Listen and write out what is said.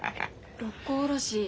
六甲おろし